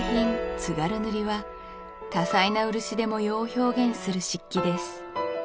津軽塗は多彩な漆で模様を表現する漆器です